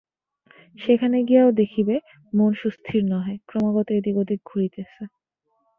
সেখানে গিয়াও দেখিবে, মন সুস্থির নহে, ক্রমাগত এদিক ওদিক ঘুরিতেছে।